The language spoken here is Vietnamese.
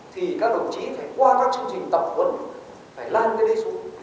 thì các đồng chí phải qua các chương trình tập huấn phải lan cái đấy xuống